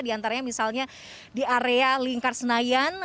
diantaranya misalnya di area lingkar senayan